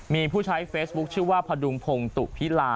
มีผู้ใช้เฟซบุ๊คชื่อว่าพดุงพงตุพิลา